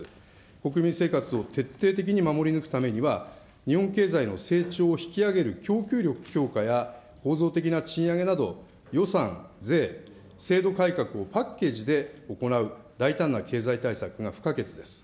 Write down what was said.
国民生活を徹底的に守り抜くためには、日本経済の成長を引き上げる供給力強化や構造的な賃上げなど、予算、税、制度改革をパッケージで行う大胆な経済対策が不可欠です。